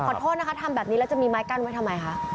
ขอโทษนะคะทำแบบนี้แล้วจะมีไม้กั้นไว้ทำไมคะ